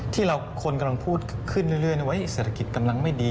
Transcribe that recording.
ที่เราคนกำลังพูดขึ้นเรื่อยว่าเศรษฐกิจกำลังไม่ดี